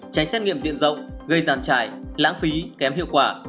cháy xét nghiệm diện rộng gây giàn trải lãng phí kém hiệu quả